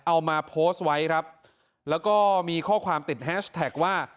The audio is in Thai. เอามาโพสต์ไว้ครับแล้วก็มีข้อความติดแฮชแท็กว่า